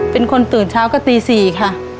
เป็นคนตื่นเช้าก็ตี๔ค่ะ